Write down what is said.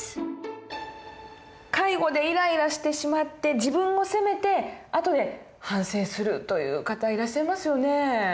介護でイライラしてしまって自分を責めて後で反省するという方いらっしゃいますよね。